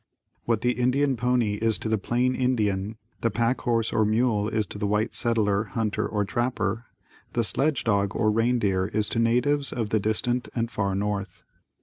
What the Indian pony is to the plain Indian, the Pack Horse or Mule is to the White Settler, Hunter or Trapper, the Sledge Dog or Reindeer is to natives of the distant and Far North.